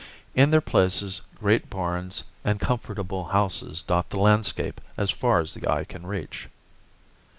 In their places great barns and comfortable houses dot the landscape as far as the eye can reach.